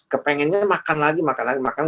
kepengennya makan lagi makan lagi makan